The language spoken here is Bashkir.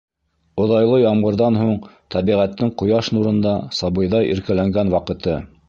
Оҙайлы ямғырҙан һуң тәбиғәттең ҡояш нурында сабыйҙай иркәләнгән ваҡыты.